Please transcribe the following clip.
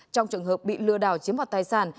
trong trường hợp bị lừa đảo chiếm hoạt tài sản